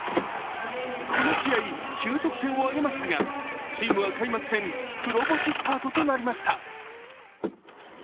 この試合、９得点を挙げましたがチームは開幕戦、黒星スタートとなりました。